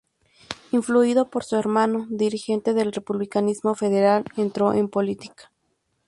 Influido por su hermano, dirigente del republicanismo federal, entró en política.